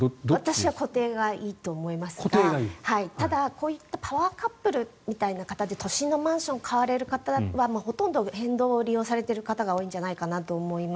私は固定がいいと思いますがただ、こういったパワーカップルという形で都心のマンションを買われる方はほとんど変動を利用されている方が多いんじゃないかと思います。